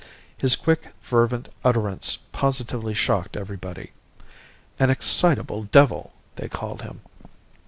His quick, fervent utterance positively shocked everybody. 'An excitable devil,' they called him.